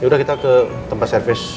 yaudah kita ke tempat servis